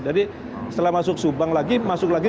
jadi setelah masuk subang lagi masuk lagi